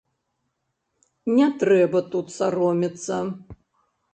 Не трэба тут саромецца.